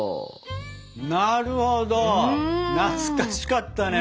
なるほど懐かしかったね。